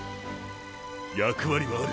役割はある。